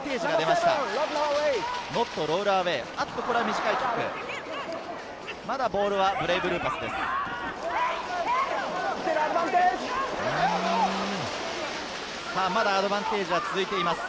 まだボールはブレイブルーパスです。